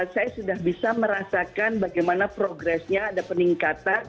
saya sudah bisa merasakan bagaimana progresnya ada peningkatan